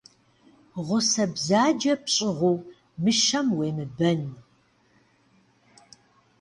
Гъусэ бзаджэ пщӏыгъуу мыщэм уемыбэн.